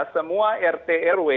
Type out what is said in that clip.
semua rt rw